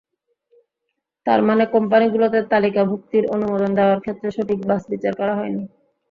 তার মানে কোম্পানিগুলোকে তালিকাভুক্তির অনুমোদন দেওয়ার ক্ষেত্রে সঠিক বাছ বিচার করা হয়নি।